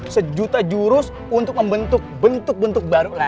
sejuta jurus untuk membentuk bentuk bentuk baru